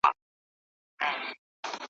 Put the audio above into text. له آمو تر اباسينه `